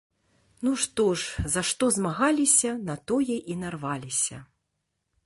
Ну што ж, за што змагаліся, на тое і нарваліся.